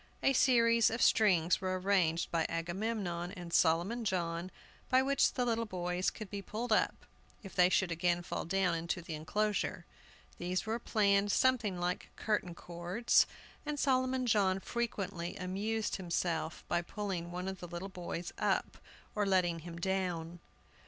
A series of strings were arranged by Agamemnon and Solomon John, by which the little boys could be pulled up, if they should again fall down into the enclosure. These were planned something like curtain cords, and Solomon John frequently amused himself by pulling one of the little boys up or letting him down.